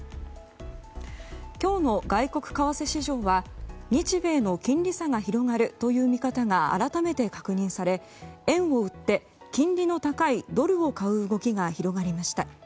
今日の外国為替市場は日米の金利差が広がるという見方が改めて確認され、円を売って金利の高いドルを買う動きが広がりました。